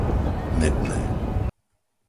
Medné